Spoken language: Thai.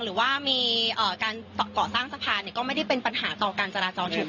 หรือว่ามีการก่อสร้างสะพานก็ไม่ได้เป็นปัญหาต่อการจราจรถูก